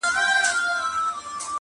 چي پرون وو گاونډی نن میرڅمن سو-